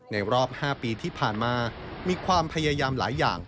รอบ๕ปีที่ผ่านมามีความพยายามหลายอย่าง